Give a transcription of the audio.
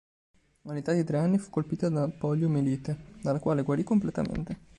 All'età di tre anni fu colpita da poliomielite, dalla quale guarì completamente.